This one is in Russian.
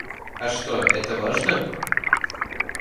А что, это важно?